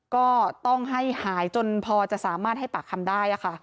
ก็ต้องให้หายจนพอจะสามารถให้ปากคำได้